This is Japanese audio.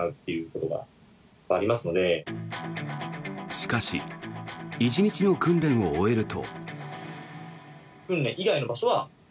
しかし１日の訓練を終えると。